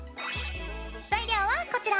材料はこちら！